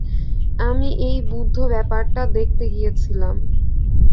আমি এই বুদ্ধ-ব্যাপারটা দেখতে গিয়েছিলাম।